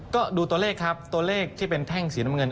ก็ดูตัวเลขครับตัวเลขที่เป็นแท่งสีน้ำเงิน